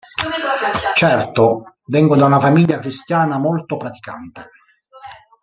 Certo, vengo da una famiglia cristiana molto praticante.